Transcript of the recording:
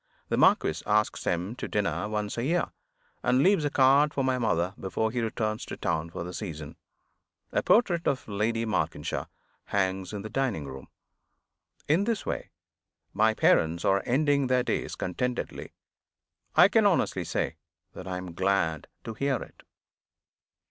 The marquis asks him to dinner once a year, and leaves a card for my mother before he returns to town for the season. A portrait of Lady Malkinshaw hangs in the dining room. In this way, my parents are ending their days contentedly. I can honestly say that I am glad to hear it.